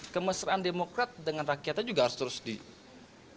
kemesraan demokrat dengan rakyatnya juga harus terus dilakukan